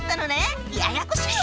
ややこしいわ！